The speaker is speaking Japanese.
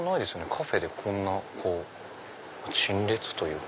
カフェでこんな陳列というか。